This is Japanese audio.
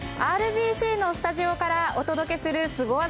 ＲＢＣのスタジオからお届けするスゴ技